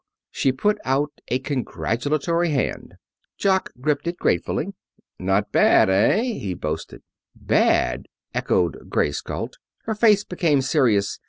She put out a congratulatory hand. Jock gripped it gratefully. "Not so bad, eh?" he boasted. "Bad!" echoed Grace Galt. Her face became serious.